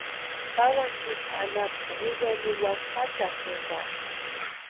Pawani tsipa anapu wiriani niwaka juatarhu jamperu.